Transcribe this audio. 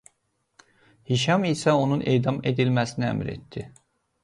Hişam isə onun edam edilməsini əmr etdi.